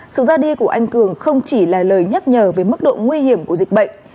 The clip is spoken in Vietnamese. sự ra đi của anh cường không chỉ là lời nhắc nhở về mức độ nguy hiểm của dịch bệnh